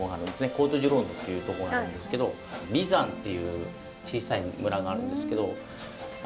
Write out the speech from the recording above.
コート・デュ・ローヌっていうとこなんですけどヴィザンっていう小さい村があるんですけど。